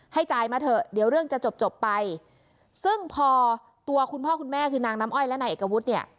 จ่ายมาเถอะเดี๋ยวเรื่องจะจบจบไปซึ่งพอตัวคุณพ่อคุณแม่คือนางน้ำอ้อยและนายเอกวุฒิเนี่ย